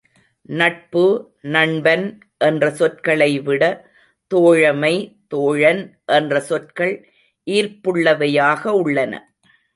நட்பு, நண்பன் என்ற சொற்களைவிட தோழமை, தோழன் என்ற சொற்கள் ஈர்ப்புள்ளவையாக உள்ளன.